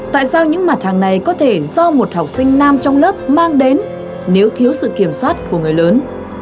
tại sao những mặt hàng này có thể do một học sinh nam trong lớp mang đến nếu thiếu sự kiểm soát của người lớn